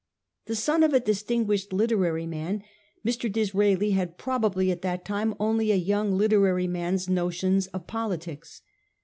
The son of a distinguished literary man, Mr. Disraeli had probably at that time only a young literary man's notions of politics.